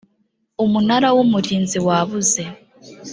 umunara w umurinzi wabuze